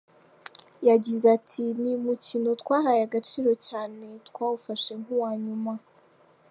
Yagize ati “Ni umukino twahaye agaciro cyane, twawufashe nk’uwa nyuma.